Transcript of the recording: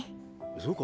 そうか？